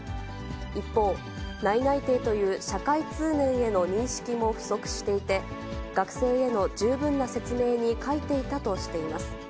一方、内々定という社会通念への認識も不足していて、学生への十分な説明に欠いていたとしています。